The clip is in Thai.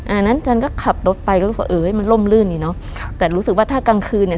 อ่าจันก็ขับรถไปก็รู้สึกว่าเออมันล่มลื่นอีกเนอะแต่รู้สึกว่าถ้ากลางคืนเนี่ย